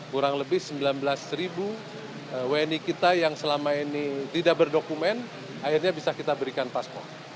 kurang lebih sembilan belas ribu wni kita yang selama ini tidak berdokumen akhirnya bisa kita berikan paspor